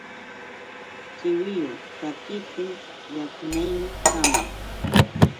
Chiwillu takiptin llakinaymi hamun.